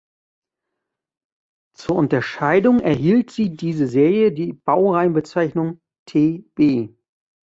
Zur Unterscheidung erhielt sie diese Serie die Baureihenbezeichnung "Tb".